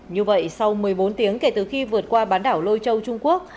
như vậy sau một mươi bốn tiếng kể từ khi vượt qua bán đảo lôi châu trung quốc